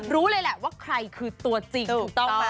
รู้เลยแหละว่าใครคือตัวจริงถูกต้องไหม